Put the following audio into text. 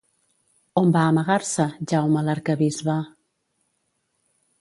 On va amagar-se, Jaume l'arquebisbe?